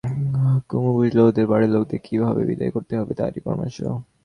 কুমু বুঝলে ওদের বাড়ির লোকদের কী ভাবে বিদায় করতে হবে তারই পরামর্শ।